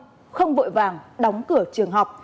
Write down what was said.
xuất hiện học sinh là f không vội vàng đóng cửa trường học